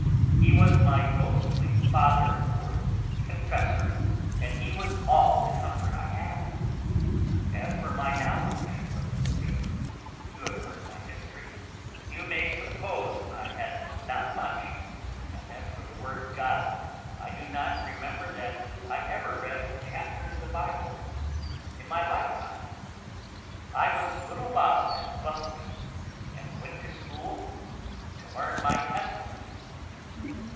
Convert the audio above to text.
He was my ghostly father or confessor, and he was all the comfort I had. As for my knowledge of religion, you have heard my history. You may suppose I had not much; and as for the Word of God, I do not remember that I ever read a chapter in the Bible in my lifetime. I was little Bob at Bussleton, and went to school to learn my Testament.